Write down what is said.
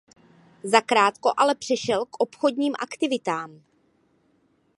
Zakrátko ale přešel k obchodním aktivitám.